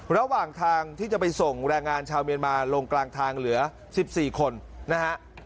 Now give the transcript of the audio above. ระหว่างทางที่จะไปส่งแรงงานชาวเมียนมาลงกลางทางเหลือ๑๔คนนะฮะ